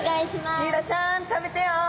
シイラちゃん食べてよ。